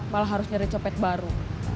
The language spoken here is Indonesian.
malah harus nyari copet baru